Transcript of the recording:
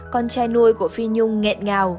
con trai nuôi của phi nhung nghẹt ngào